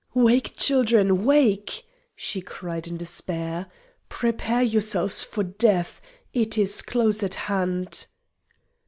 "Wake, children, wake!" she cried in despair; "prepare yourselves for death it is close at hand!"